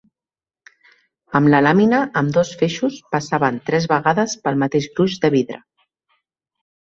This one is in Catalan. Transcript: Amb la làmina ambdós feixos passaven tres vegades pel mateix gruix de vidre.